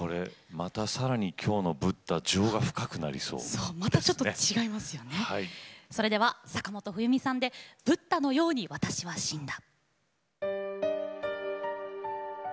またさらに、きょうのそれでは坂本冬美さんで「ブッダのように私は死んだ」。